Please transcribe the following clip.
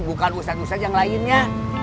bukan ustadz ustadz yang lainnya